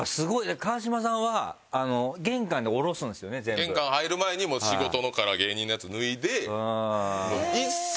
玄関入る前に仕事のから芸人のやつ脱いで。